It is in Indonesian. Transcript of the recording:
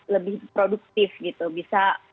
lebih produktif gitu bisa